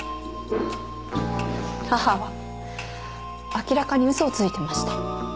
母は明らかに嘘をついてました。